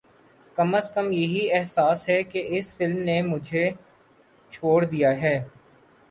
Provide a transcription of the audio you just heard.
کم از کم یہی احساس ہے کہ اس فلم نے مجھے چھوڑ دیا ہے